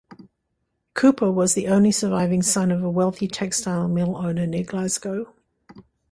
Couper was the only surviving son of a wealthy textile mill owner near Glasgow.